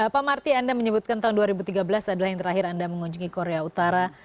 pak marty anda menyebutkan tahun dua ribu tiga belas adalah yang terakhir anda mengunjungi korea utara